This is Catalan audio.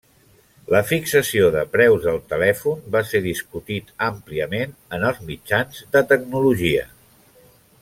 La fixació de preus del telèfon va ser discutit àmpliament en els mitjans de tecnologia.